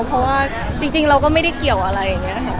เพราะว่าจริงเราก็ไม่ได้เกี่ยวอะไร